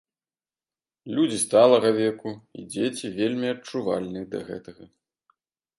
Людзі сталага веку і дзеці вельмі адчувальныя да гэтага.